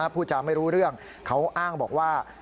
พูดจาไม่รู้เรื่องเขาอ้างบอกว่า